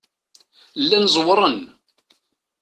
Llan zewṛen.